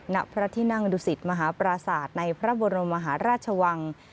ณพระที่นั่งดุสิตมหาปราศาสตร์ในพระบรมมหาราชวัง